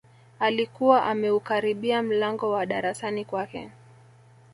Alikuwa ameukaribia mlango wa darasani kwake